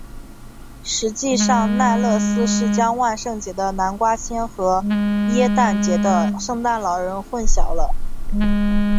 实际上奈勒斯是将万圣节的南瓜仙和耶诞节的圣诞老人混淆了。